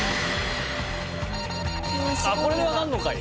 あっこれでわかんのかい！